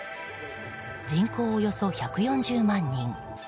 人口およそ１４０万人。